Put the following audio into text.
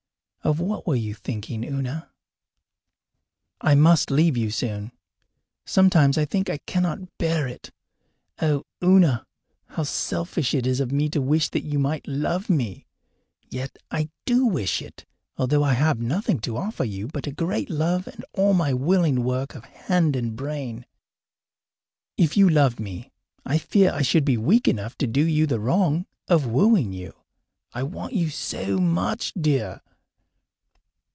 Of what were you thinking, Una? I must leave you soon. Sometimes I think I cannot bear it. Oh, Una, how selfish it is of me to wish that you might love me! Yet I do wish it, although I have nothing to offer you but a great love and all my willing work of hand and brain. If you loved me, I fear I should be weak enough to do you the wrong of wooing you. I want you so much, dear!